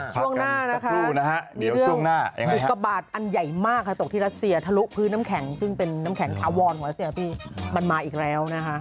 ช่วงหน้านะคะมีเรื่องบุกกบาทอันใหญ่มากค่ะตกที่รัสเซียทะลุพื้นน้ำแข็งซึ่งเป็นน้ำแข็งถาวรของรัสเซียพี่มันมาอีกแล้วนะคะ